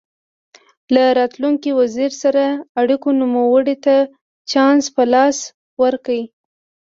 له راتلونکي وزیر سره اړیکو نوموړي ته چانس په لاس ورکړ.